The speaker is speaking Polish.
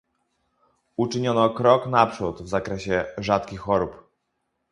Uczyniono krok naprzód w zakresie rzadkich chorób